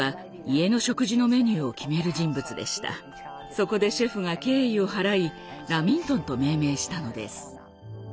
そこでシェフが敬意を払い「ラミントン」と命名したのです。